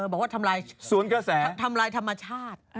บอกว่าทำลายสวนกระแสทำลายธรรมชาติ